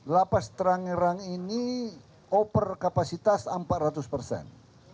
lapas tangerang ini oper kapasitas empat ratus persen